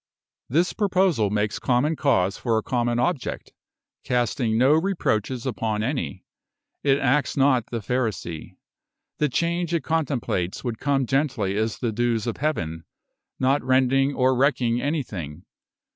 "This proposal makes common cause for a common object, casting no reproaches upon any. It acts not the Pharisee. The change it contemplates would come gently as the dews of heaven, not rending or wrecking anything.